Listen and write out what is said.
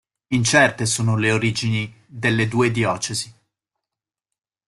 Incerte sono le origini delle due diocesi.